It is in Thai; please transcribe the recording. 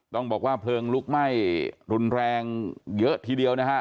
ต้องบอกว่าเพลิงลุกไหม้รุนแรงเยอะทีเดียวนะฮะ